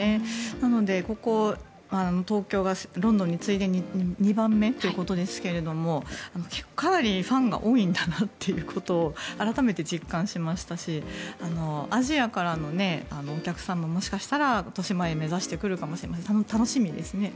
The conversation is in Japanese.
なのでここ東京がロンドンに次いで２番目ということですがかなりファンが多いんだなということを改めて実感しましたしアジアからのお客さんももしかしたら、としまえんを目指して来るかもしれませんし楽しみですね。